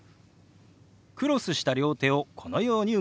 クロスした両手をこのように動かします。